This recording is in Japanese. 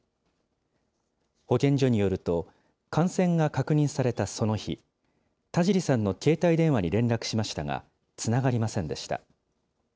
保健所によると、感染が確認されたその日、田尻さんの携帯電話に連絡しましたが、つながりませんでした。